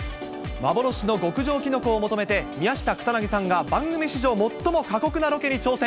幻の極上キノコを求めて、宮下草薙さんが番組史上最も過酷なロケに挑戦。